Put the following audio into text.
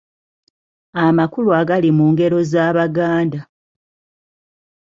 Amakulu agali mu ngero z’Abaganda.